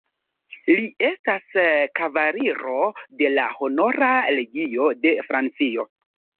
Li estas kavaliro de la Honora Legio de Francio.